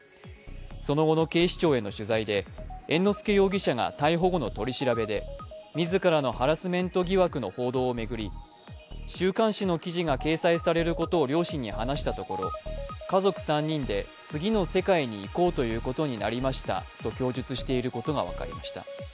その後の警視庁への取材で猿之助容疑者が逮捕後の取り調べで自らのハラスメント疑惑の報道を巡り週刊誌の記事が掲載されることを両親に話したところ家族３人で次の世界に行こうということになりましたと供述していることが分かりました。